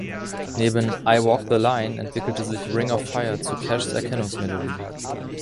Neben "I Walk the Line" entwickelte sich "Ring of Fire" zu Cashs Erkennungsmelodie.